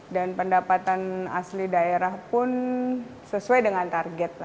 dan pendapatan asli daerah pun sesuai dengan target